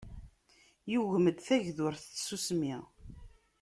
Yugem-d tagdurt n tsusmi.